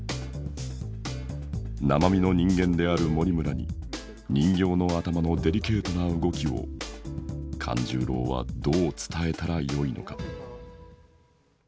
生身の人間である森村に人形の頭のデリケートな動きを勘十郎はどう伝えたらよいのか？